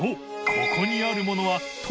ここにあるものはⅣ